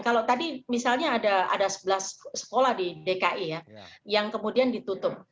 kalau tadi misalnya ada sebelas sekolah di dki ya yang kemudian ditutup